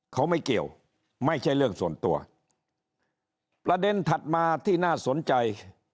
เขาไม่เกี่ยวไม่ใช่เรื่องส่วนตัวประเด็นถัดมาที่น่าสนใจ